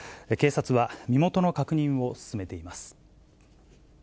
警察は、身元の確認を進めています。